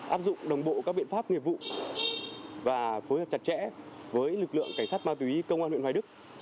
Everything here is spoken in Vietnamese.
áp dụng đồng bộ các biện pháp nghiệp vụ và phối hợp chặt chẽ với lực lượng cảnh sát ma túy công an huyện hoài đức